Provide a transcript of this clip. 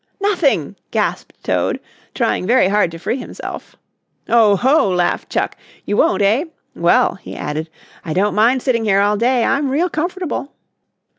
"Nothing!" gasped Toad, trying very hard to free himself. "Oho!" laughed Chuck. "You won't, eh? Well," he added, "I don't mind sitting here all day. I'm real comfortable."